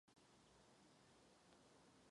Hlavní oltář je zasvěcen Narození Panny Marie.